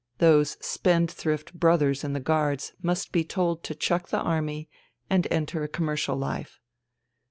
Those spendthrift brothers in the Guards must be told to chuck the army and enter a commercial life.